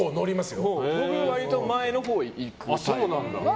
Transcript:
僕、割と前のほうに行くタイプ。